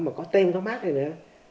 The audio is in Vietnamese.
mà có tem có mát này nữa